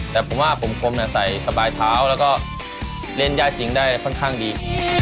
แต่ผมว่าผมกลมใส่สบายเท้าแล้วก็เล่นยากจริงได้ค่อนข้างดี